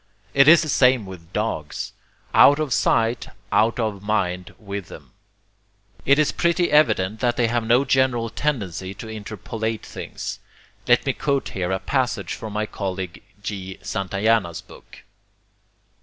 It is the same with dogs. Out of sight, out of mind, with them. It is pretty evident that they have no GENERAL tendency to interpolate 'things.' Let me quote here a passage from my colleague G. Santayana's book.